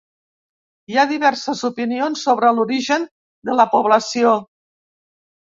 Hi ha diverses opinions sobre l'origen de la població.